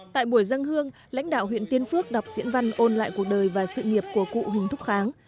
tại buổi dân hương lãnh đạo huyện tiên phước đọc diễn văn ôn lại cuộc đời và sự nghiệp của cụ huỳnh thúc kháng